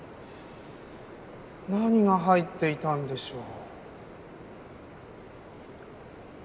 何が入っていたんでしょう？